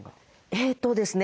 えっとですね